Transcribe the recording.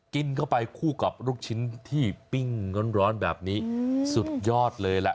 กินเข้าไปคู่กับลูกชิ้นที่ปิ้งร้อนแบบนี้สุดยอดเลยล่ะ